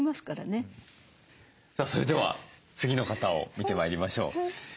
それでは次の方を見てまいりましょう。